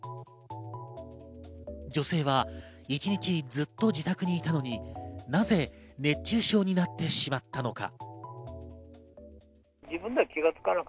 女性は一日ずっと自宅にいたのに、なぜ熱中症になってしまったのか。